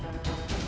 kau mau turun tangan